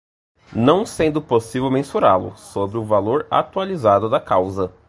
não sendo possível mensurá-lo, sobre o valor atualizado da causa